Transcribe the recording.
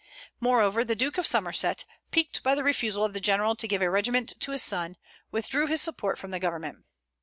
Moreover, the Duke of Somerset, piqued by the refusal of the general to give a regiment to his son, withdrew his support from the Government.